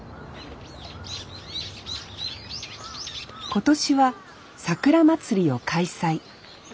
今年はさくらまつりを開催。